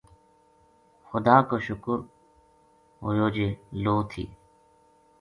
خدا کو شکر ہویو جے لو تھی